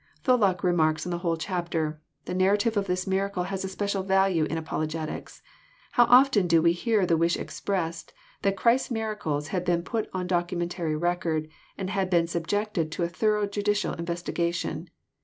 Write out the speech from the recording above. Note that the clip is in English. — Tholuck remarks on the whole chapter :" The narrative of this miracle has a special value in apologetics. How often do we hear the wish expressed, that Christ's miracles had been put on documentary record, and had been subjected to a thorough Judicial investigation.